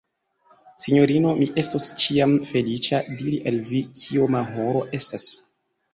Sinjorino, mi estos ĉiam feliĉa, diri al vi, kioma horo estas.